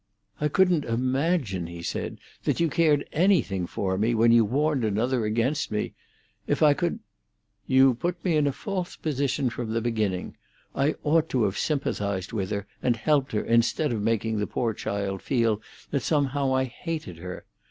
"I couldn't imagine," he said, "that you cared anything for me when you warned another against me. If I could—" "You put me in a false position from the beginning. I ought to have sympathised with her and helped her instead of making the poor child feel that somehow I hated her.